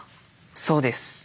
そうです。